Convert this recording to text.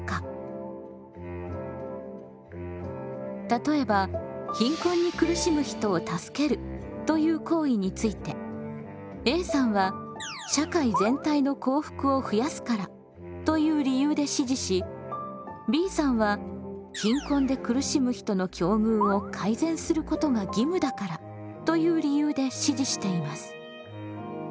例えば貧困に苦しむ人を助けるという行為についてＡさんは社会全体の幸福を増やすからという理由で支持しＢさんは貧困で苦しむ人の境遇を改善することが義務だからという理由で支持しています。